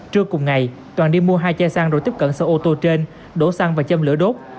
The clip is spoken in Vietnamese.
trưa cùng ngày toàn đi mua hai chai xăng rồi tiếp cận xe ô tô trên đổ xăng và châm lửa đốt